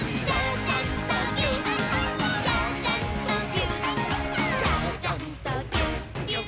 「ちゃちゃんとぎゅっ」